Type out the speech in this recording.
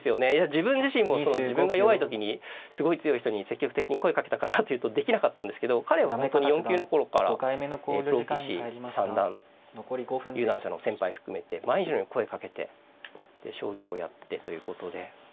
自分自身もそう自分が弱い時にすごい強い人に積極的に声かけたかなっていうとできなかったんですけど彼は本当に４級の頃からプロ棋士三段有段者の先輩含めて毎日のように声かけて将棋をやってということで。